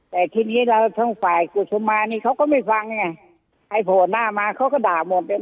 แต่ทีนี้เราทั้งฝ่ายกุศุมานี่เขาก็ไม่ฟังไงไอ้โผล่หน้ามาเขาก็ด่าหมดเลย